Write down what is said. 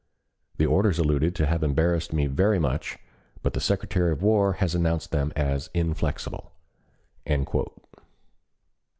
The orders alluded to have embarrassed me very much, but the Secretary of War has announced them as inflexible."